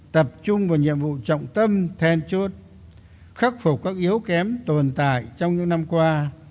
trọng tâm then chốt khắc phục các yếu kém tồn tại trong những năm qua